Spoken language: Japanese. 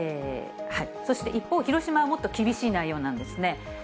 そして一方、広島はもっと厳しい内容なんですね。